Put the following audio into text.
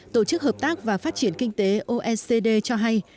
tổ chức hợp tác và phát triển kinh tế oecd cho hay